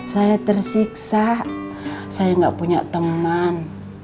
saya tersiksa saya nggak punya teman